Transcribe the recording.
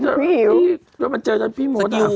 แล้วมันเจอกันพี่มด